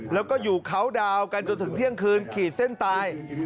แล้วก็อยู่เขาดาวกันจนถึงเที่ยงคืนขีดเส้นตาย